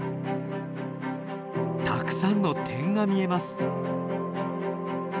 たくさんの点が見えます。